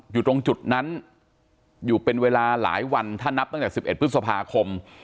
อยู่ตรงจุดนั้นอยู่เป็นเวลาหลายวันถ้านับตั้งแต่๑๑พฤษภาคม